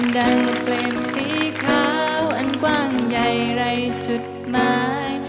ดังกล้องเกลมสีขาวอันกว้างใยไร้จุดหมาย